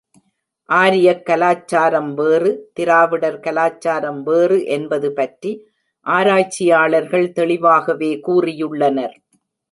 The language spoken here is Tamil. ஆரியக் கலாச்சாரம் வேறு, திராவிடர் கலாச்சாரம் வேறு என்பது பற்றி ஆராய்ச்சியாளர்கள் தெளிவாகவே கூறியுள்ளனர்.